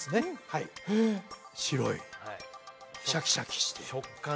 はい白いシャキシャキしている食感